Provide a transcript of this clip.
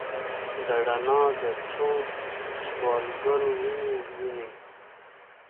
د رڼا د څوسوالګرو، وینې، وینې